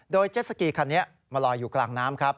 โดยเจ็ดสกีคันนี้มาลอยอยู่กลางน้ำครับ